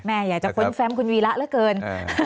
แม่อยากจะค้นแฟมคุณวีระแล้วเกิน